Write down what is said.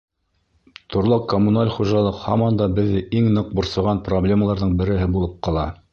Торлаҡ-коммуналь хужалыҡ һаман да беҙҙе иң ныҡ борсоған проблемаларҙың береһе булып ҡала.